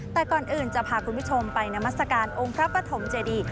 แต่ก่อนอื่นจะพาคุณผู้ชมไปนามัศกาลองค์พระปฐมเจดี